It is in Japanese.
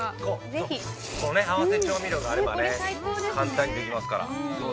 ◆合わせ調味料があれば、簡単にできますから。